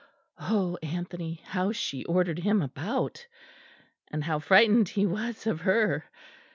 Oh, Anthony, how she ordered him about! And how frightened he was of her!